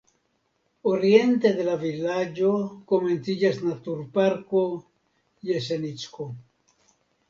Oriente de la vilaĝo komenciĝas naturparko Jesenicko.